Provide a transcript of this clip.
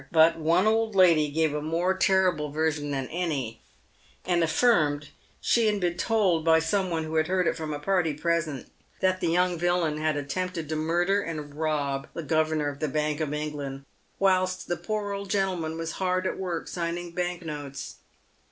But one old lady gave a more terrible version than any, 2f 212 PAVED WITH GOLD. and affirmed she had been told by some one who heard it from a party present, that the young villain had attempted to murder and rob the Governor of the Bank of England whilst the poor old gentle man was hard at work signing bank notes.